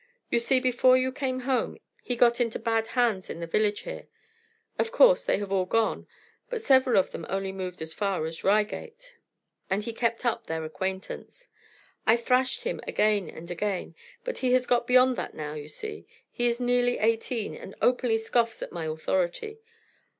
You see, before you came home, he got into bad hands in the village here. Of course they have all gone, but several of them only moved as far as Reigate, and he kept up their acquaintance. I thrashed him again and again, but he has got beyond that now, you see; he is nearly eighteen, and openly scoffs at my authority.